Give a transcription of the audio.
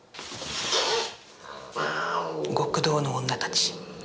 極道の女たち。